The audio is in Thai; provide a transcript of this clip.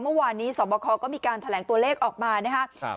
เมื่อวานนี้สอบคอก็มีการแถลงตัวเลขออกมานะครับ